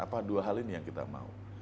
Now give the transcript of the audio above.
apa dua hal ini yang kita mau